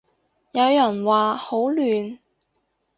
有人話好亂